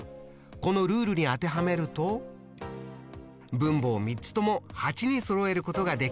このルールに当てはめると分母を３つとも８にそろえることができるってことですね。